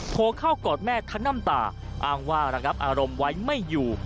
โทรเข้ากอดแม่ทั้งน้ำตาอ้างว่าระงับอารมณ์ไว้ไม่อยู่